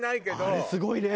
あれすごいね！